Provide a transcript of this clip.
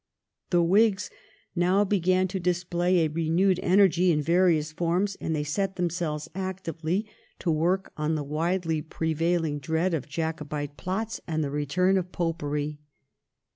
The Whigs now began to display a renewed energy in various forms, and they set themselves actively to work on the widely pre vailing dread of Jacobite plots and the return of Popery.